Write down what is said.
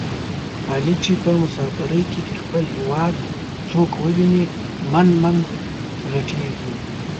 علي چې په مسافرۍ کې د خپل هېواد څوک وویني من من ِغټېږي.